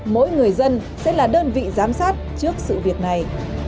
mỗi người dân sẽ là đơn vị giám sát trước sự việc này